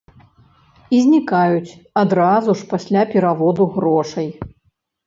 І знікаюць адразу ж пасля пераводу грошай.